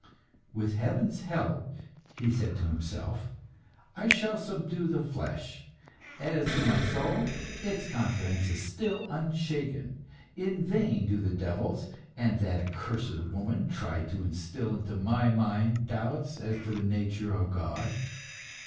"With Heaven's help," he said to himself, "I shall subdue the flesh. As to my soul, its confidence is still unshaken. In vain do the devils, and that accursed woman, try to instil into my mind doubts as to the nature of God.